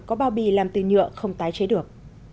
có bao bì làm từ nhựa không tái chế được